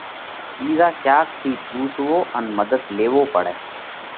ٻِيزا ڪياڪ ٿِي پُونسوو ان مڌت ليوو پڙئھ۔